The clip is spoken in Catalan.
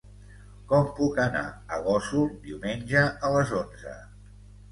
Com puc anar a Gósol diumenge a les onze?